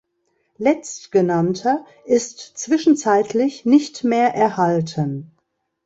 Letztgenannter ist zwischenzeitlich nicht mehr erhalten.